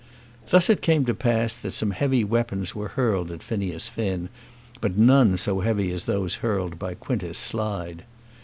Thus it came to pass that some heavy weapons were hurled at Phineas Finn, but none so heavy as those hurled by Quintus Slide.